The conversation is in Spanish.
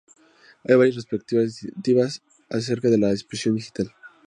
Hay varias perspectivas distintas acerca de la imposición digital.